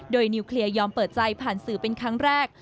โดยนิวเคลียร์ยอมเปิดใจผ่านสื่อเป็นครั้งแรก